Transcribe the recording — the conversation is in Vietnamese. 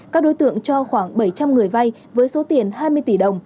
các đối tượng cho khoảng bảy trăm linh người vay với số tiền hai mươi tỷ đồng